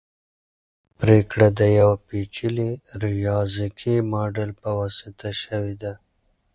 دا پریکړه د یو پیچلي ریاضیکي ماډل په واسطه شوې ده.